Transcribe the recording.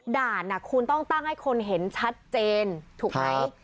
ด่านคุณต้องตั้งให้คนเห็นชัดเจนถูกไหม